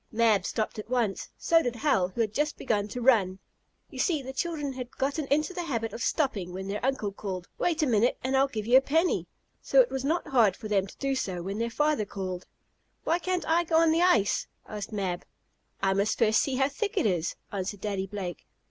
Mab stopped at once. So did Hal, who had just begun to run. You see the children had gotten into the habit of stopping when their uncle called: "Wait a minute and I'll give you a penny," so it was not hard for them to do so when their father called. "Why can't I go on the ice?" asked Mab, "I must first see how thick it is," answered Daddy Blake.